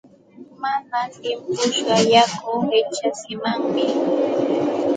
Mana timpushqa yaku qichatsimanmi.